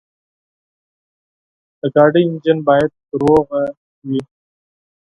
د موټر انجن باید روغ وي.